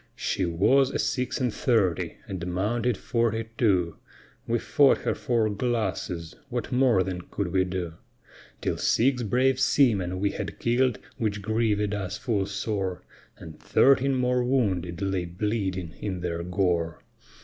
She was a six and thirty, and mounted forty two, We fought her four glasses, what more then could we do; Till six brave seamen we had kill'd, which grievèd us full sore, And thirteen more wounded lay bleeding in their gore.